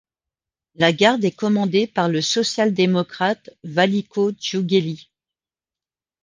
La garde est commandée par le social-démocrate Valiko Djoughéli.